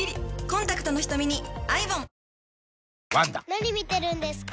・何見てるんですか？